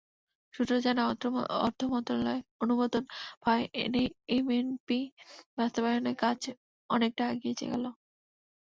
সূত্র জানায়, অর্থ মন্ত্রণালয়ের অনুমোদন পাওয়ায় এমএনপি বাস্তবায়নের কাজ অনেকটা এগিয়ে গেল।